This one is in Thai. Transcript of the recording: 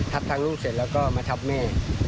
ทางลูกเสร็จแล้วก็มาทับแม่